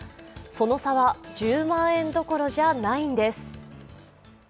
その差は１０万円どころじゃないんです。